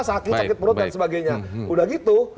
sakit sakit perut dan sebagainya udah gitu